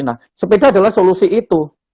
nah sepeda adalah solusi itu